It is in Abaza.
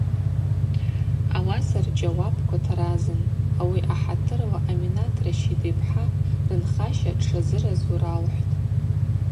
Ауаса рджьауапква таразын, ауи ахӏатырла Аминат Ращид йпхӏа рынхаща дшазыразу ралхӏвтӏ.